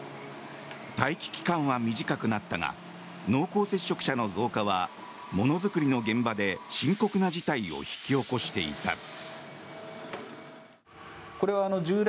待機期間は短くなったが濃厚接触者の増加はものづくりの現場で深刻な事態を引き起こしていた。